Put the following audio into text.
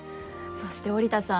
そして織田さん